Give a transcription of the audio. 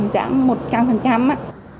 giảm một trăm linh á